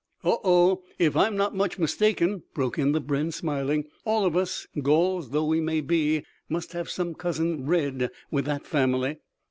"Oh, oh! If I am not much mistaken," broke in the brenn smiling, "all of us, Gauls though we may be, must have some cousin red with that family."